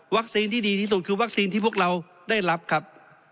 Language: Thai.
ที่ดีที่สุดคือวัคซีนที่พวกเราได้รับครับ